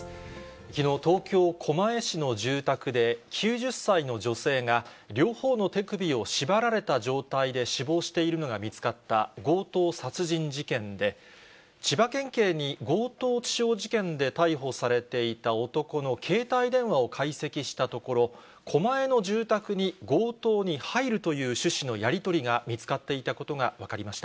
きのう、東京・狛江市の住宅で、９０歳の女性が、両方の手首を縛られた状態で死亡しているのが見つかった強盗殺人事件で、千葉県警に強盗致傷事件で逮捕されていた男の携帯電話を解析したところ、狛江の住宅に強盗に入るという趣旨のやり取りが見つかっていたことが分かりました。